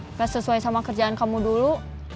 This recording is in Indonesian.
nggak sesuai sama kerjaan kamu dulu